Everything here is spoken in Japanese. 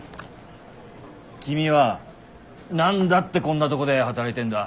君は何だってこんなとこで働いてんだ？